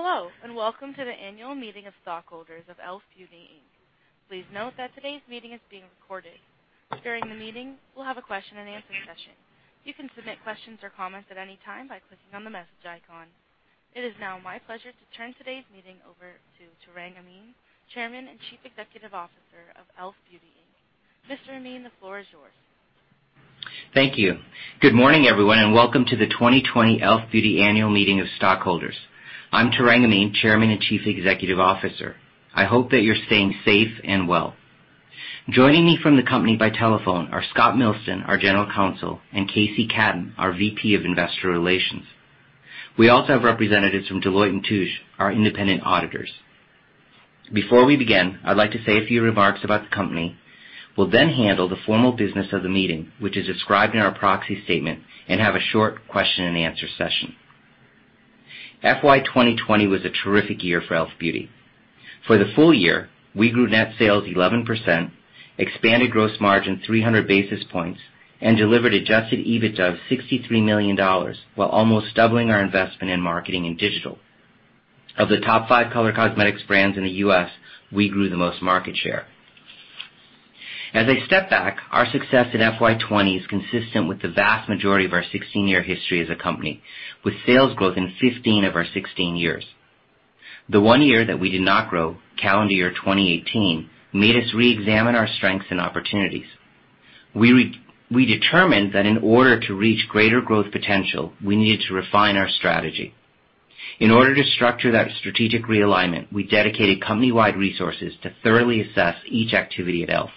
Hello, and welcome to the annual meeting of stockholders of e.l.f. Beauty, Inc. Please note that today's meeting is being recorded. During the meeting, we'll have a question and answer session. You can submit questions or comments at any time by clicking on the message icon. It is now my pleasure to turn today's meeting over to Tarang Amin, Chairman and Chief Executive Officer of e.l.f. Beauty, Inc. Mr. Amin, the floor is yours. Thank you. Good morning, everyone, and welcome to the 2020 e.l.f. Beauty Annual Meeting of Stockholders. I'm Tarang Amin, Chairman and Chief Executive Officer. I hope that you're staying safe and well. Joining me from the company by telephone are Scott Milsten, our General Counsel, and K.C. Katten, our VP of Investor Relations. We also have representatives from Deloitte & Touche LLP, our independent auditors. Before we begin, I'd like to say a few remarks about the company. We'll then handle the formal business of the meeting, which is described in our proxy statement, and have a short question and answer session. FY 2020 was a terrific year for e.l.f. Beauty. For the full year, we grew net sales 11%, expanded gross margin 300 basis points, and delivered adjusted EBITDA of $63 million, while almost doubling our investment in marketing and digital. Of the top five color cosmetics brands in the U.S., we grew the most market share. As I step back, our success in FY 2020 is consistent with the vast majority of our 16-year history as a company, with sales growth in 15 of our 16 years. The one year that we did not grow, calendar year 2018, made us reexamine our strengths and opportunities. We determined that in order to reach greater growth potential, we needed to refine our strategy. In order to structure that strategic realignment, we dedicated company-wide resources to thoroughly assess each activity at e.l.f.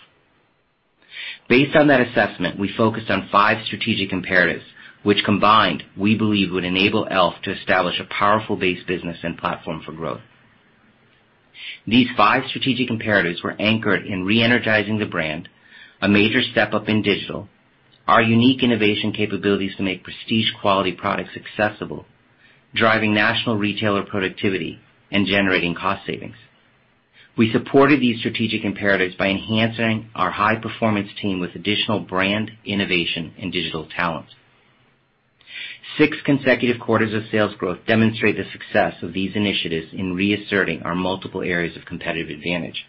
Based on that assessment, we focused on five strategic imperatives, which combined, we believe would enable e.l.f. to establish a powerful base business and platform for growth. These five strategic imperatives were anchored in re-energizing the brand, a major step-up in digital, our unique innovation capabilities to make prestige quality products accessible, driving national retailer productivity, and generating cost savings. We supported these strategic imperatives by enhancing our high-performance team with additional brand, innovation, and digital talent. Six consecutive quarters of sales growth demonstrate the success of these initiatives in reasserting our multiple areas of competitive advantage.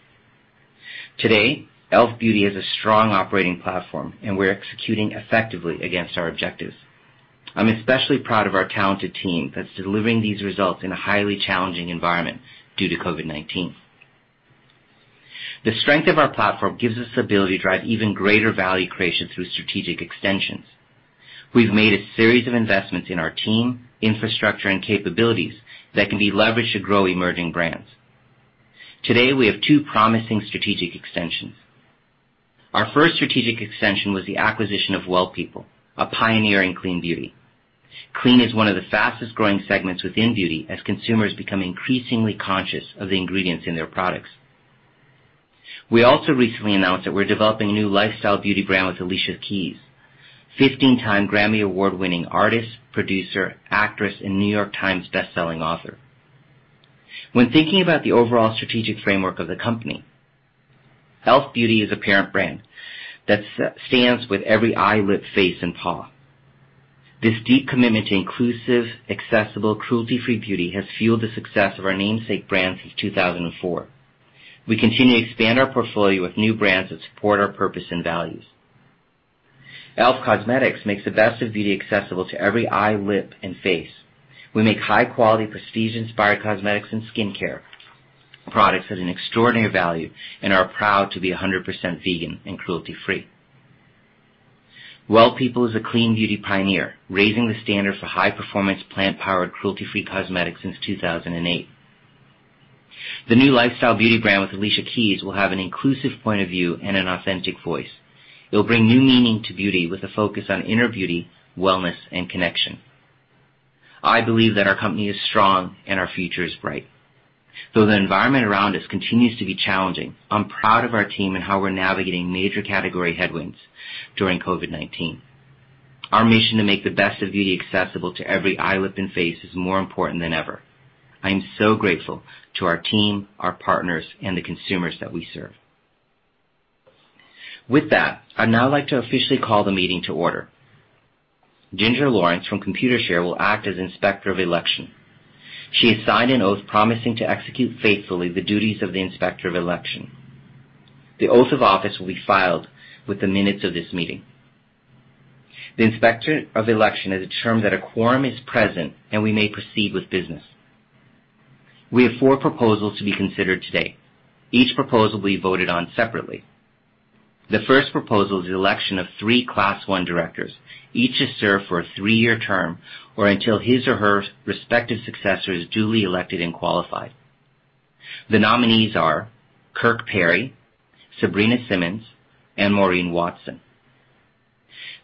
Today, e.l.f. Beauty is a strong operating platform, and we're executing effectively against our objectives. I'm especially proud of our talented team that's delivering these results in a highly challenging environment due to COVID-19. The strength of our platform gives us the ability to drive even greater value creation through strategic extensions. We've made a series of investments in our team, infrastructure, and capabilities that can be leveraged to grow emerging brands. Today, we have two promising strategic extensions. Our first strategic extension was the acquisition of W3LL PEOPLE, a pioneer in clean beauty. Clean is one of the fastest-growing segments within beauty as consumers become increasingly conscious of the ingredients in their products. We also recently announced that we're developing a new lifestyle beauty brand with Alicia Keys, 15-time Grammy Award-winning artist, producer, actress, and New York Times best-selling author. When thinking about the overall strategic framework of the company, e.l.f. Beauty is a parent brand that stands with every eye, lip, face, and paw. This deep commitment to inclusive, accessible, cruelty-free beauty has fueled the success of our namesake brand since 2004. We continue to expand our portfolio with new brands that support our purpose and values. e.l.f. Cosmetics makes the best of beauty accessible to every eye, lip, and face. We make high quality, prestige-inspired cosmetics and skincare products at an extraordinary value and are proud to be 100% vegan and cruelty-free. W3LL PEOPLE is a clean beauty pioneer, raising the standard for high performance, plant-powered, cruelty-free cosmetics since 2008. The new lifestyle beauty brand with Alicia Keys will have an inclusive point of view and an authentic voice. It will bring new meaning to beauty with a focus on inner beauty, wellness, and connection. I believe that our company is strong and our future is bright. Though the environment around us continues to be challenging, I'm proud of our team and how we're navigating major category headwinds during COVID-19. Our mission to make the best of beauty accessible to every eye, lip, and face is more important than ever. I am so grateful to our team, our partners, and the consumers that we serve. With that, I'd now like to officially call the meeting to order. Ginger Lawrence from Computershare will act as Inspector of Election. She has signed an oath promising to execute faithfully the duties of the Inspector of Election. The oath of office will be filed with the minutes of this meeting. The Inspector of Election has determined that a quorum is present, and we may proceed with business. We have four proposals to be considered today. Each proposal will be voted on separately. The first proposal is the election of three class one Directors, each to serve for a three-year term or until his or her respective successor is duly elected and qualified. The nominees are Kirk Perry, Sabrina Simmons, and Maureen Watson.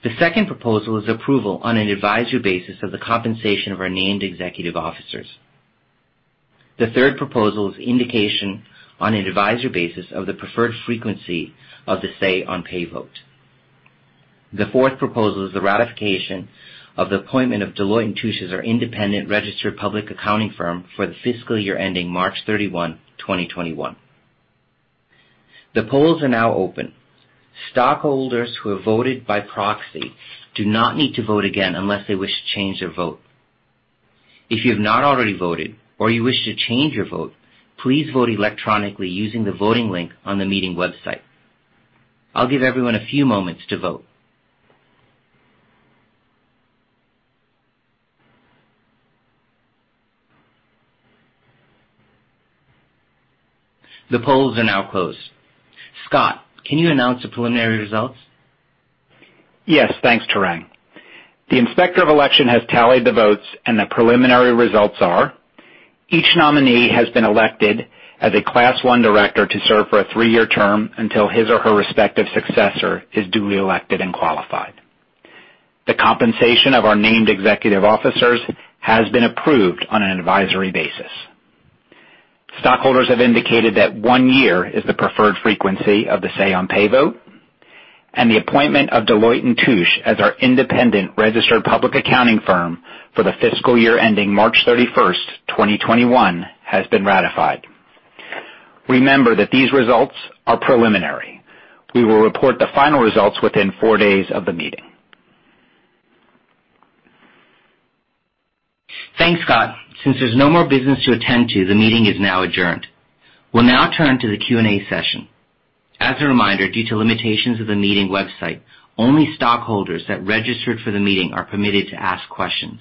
The second proposal is approval on an advisory basis of the compensation of our named executive officers. The third proposal is indication on an advisory basis of the preferred frequency of the Say on Pay vote. The fourth proposal is the ratification of the appointment of Deloitte & Touche as our independent registered public accounting firm for the fiscal year ending March 31, 2021.The polls are now open. Stockholders who have voted by proxy do not need to vote again unless they wish to change their vote. If you have not already voted or you wish to change your vote, please vote electronically using the voting link on the meeting website. I'll give everyone a few moments to vote. The polls are now closed. Scott, can you announce the preliminary results? Yes. Thanks, Tarang. The Inspector of Election has tallied the votes, and the preliminary results are: Each nominee has been elected as a class one director to serve for a three-year term until his or her respective successor is duly elected and qualified. The compensation of our named executive officers has been approved on an advisory basis. Stockholders have indicated that one year is the preferred frequency of the Say on Pay vote. The appointment of Deloitte & Touche as our independent registered public accounting firm for the fiscal year ending March 31st, 2021, has been ratified. Remember that these results are preliminary. We will report the final results within four days of the meeting. Thanks, Scott. Since there's no more business to attend to, the meeting is now adjourned. We'll now turn to the Q&A session. As a reminder, due to limitations of the meeting website, only stockholders that registered for the meeting are permitted to ask questions.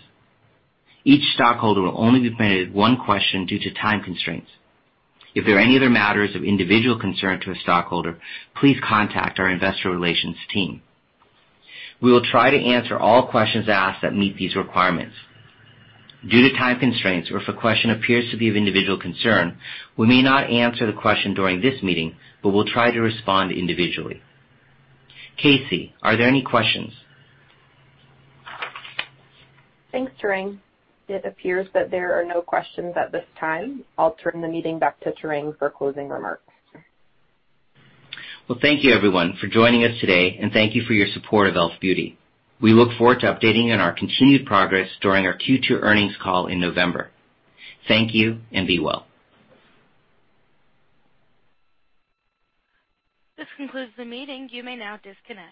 Each stockholder will only be permitted one question due to time constraints. If there are any other matters of individual concern to a stockholder, please contact our investor relations team. We will try to answer all questions asked that meet these requirements. Due to time constraints or if a question appears to be of individual concern, we may not answer the question during this meeting, but we'll try to respond individually. K.C., are there any questions? Thanks, Tarang. It appears that there are no questions at this time. I'll turn the meeting back to Tarang for closing remarks. Well, thank you everyone for joining us today, and thank you for your support of e.l.f. Beauty. We look forward to updating on our continued progress during our Q2 earnings call in November. Thank you, and be well. This concludes the meeting. You may now disconnect.